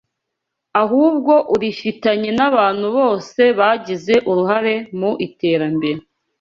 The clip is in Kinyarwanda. ahubwo urifitanye n’abantu bose bagize uruhare mu iterambere